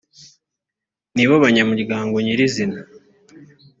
nibo banyamuryango nyir izina